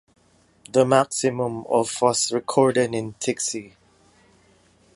The maximum of was recorded in Tiksi.